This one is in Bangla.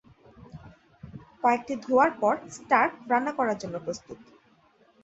কয়েকটি ধোয়ার পর, স্টার্ক রান্না করার জন্য প্রস্তুত।